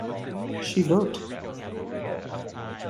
She wrote ...